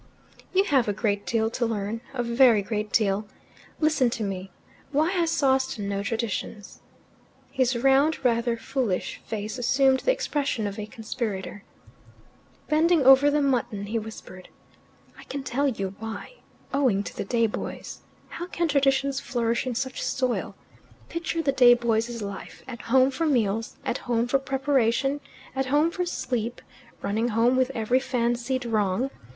"You have a great deal to learn a very great deal. Listen to me. Why has Sawston no traditions?" His round, rather foolish, face assumed the expression of a conspirator. Bending over the mutton, he whispered, "I can tell you why. Owing to the day boys. How can traditions flourish in such soil? Picture the day boy's life at home for meals, at home for preparation, at home for sleep, running home with every fancied wrong.